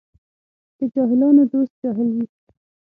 د جاهلانو دوست جاهل وي.